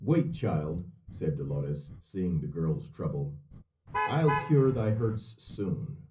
"Wait, child," said Dolores, seeing the girl's trouble. "I'll cure thy hurts soon."